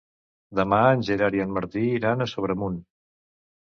Demà en Gerard i en Martí iran a Sobremunt.